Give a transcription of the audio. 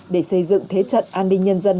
để xây dựng thế trận an ninh nhân dân